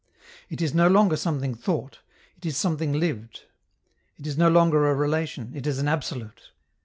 It is no longer something thought, it is something lived. It is no longer a relation, it is an absolute.